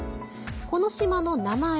この島の名前